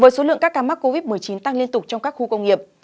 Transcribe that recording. với số lượng các ca mắc covid một mươi chín tăng liên tục trong các khu công nghiệp